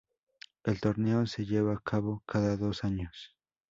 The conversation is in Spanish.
El torneo se lleva a cabo cada dos años.